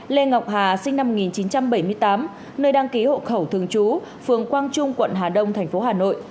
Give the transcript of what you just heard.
lê ngọc hà sinh năm một nghìn chín trăm bảy mươi tám nơi đăng ký hộ khẩu thường trú phường quang trung quận hà đông tp hà nội